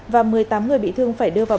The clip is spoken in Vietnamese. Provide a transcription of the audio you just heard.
và một mươi tám người bị thương phải đưa vào